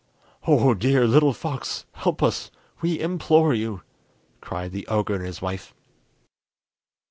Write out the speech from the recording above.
"Oh, dear little fox, help us, we implore you!" cried the ogre and his wife.